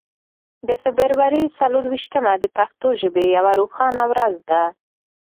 د فبرورۍ څلور ویشتمه د پښتو ژبې یوه روښانه ورځ ده.